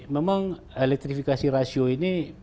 memang elektrifikasi rasio ini